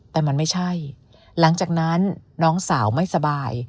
แต่มันไม่ใช่หลังจากนั้นน้องสาวไม่สบาย